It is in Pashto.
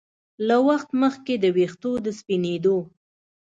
له وخت مخکې د ویښتو د سپینېدو